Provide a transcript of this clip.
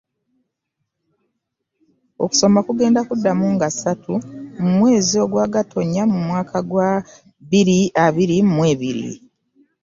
Okusoma kugenda kuddamu nga ssatu mu mwezi gwa Gatonya mu mwaka gwa bbiri abiri mu ebiri.